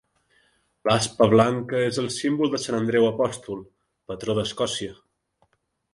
L'aspa blanca és el símbol de Sant Andreu apòstol, patró d'Escòcia.